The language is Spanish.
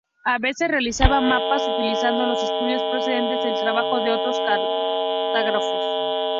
A veces realizaba mapas utilizando los estudios procedentes del trabajo de otros cartógrafos.